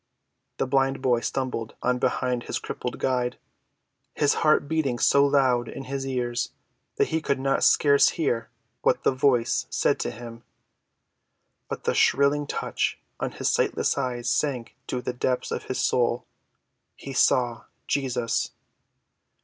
The blind boy stumbled on behind his crippled guide, his heart beating so loud in his ears that he could scarce hear what the Voice said to him. But the thrilling touch on his sightless eyes sank to the depths of his soul. He saw—Jesus.